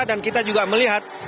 dan kita juga melihat